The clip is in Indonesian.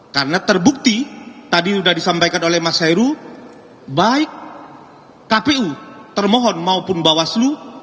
karena terbukti tadi sudah disampaikan oleh mas heru baik kpu termohon maupun bawaslu